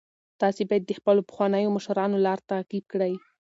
تاسي باید د خپلو پخوانیو مشرانو لار تعقیب کړئ.